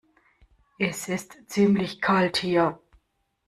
Es ist ziemlich kalt hier.